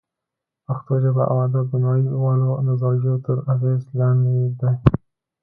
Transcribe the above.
پښتو ژبه او ادب د نړۍ والو نظریو تر اغېز لاندې دی